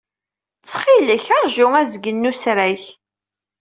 Ttxil-k, ṛju azgen n usrag.